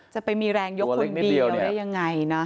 จะไปมีแรงยกคนเดียวได้ยังไงนะ